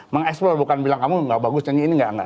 mengeksplor bukan bilang kamu nggak bagus nyanyi ini nggak enak